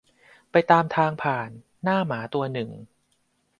ไปตามทางผ่านหน้าหมาตัวหนึ่ง